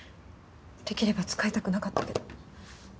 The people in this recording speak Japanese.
できれば使いたくなかったけど。